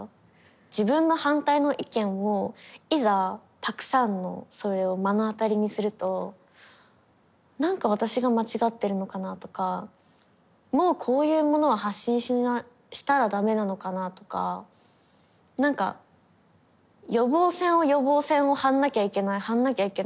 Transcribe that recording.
自分の反対の意見をいざたくさんのそれを目の当たりにするとなんか私が間違ってるのかなとかもうこういうものは発信したら駄目なのかなとかなんか予防線を予防線を張んなきゃいけない張んなきゃいけない。